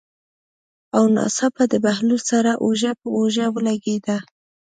او ناڅاپه د بهلول سره اوږه په اوږه ولګېده.